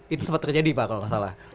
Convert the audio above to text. itu sempat terjadi pak kalau nggak salah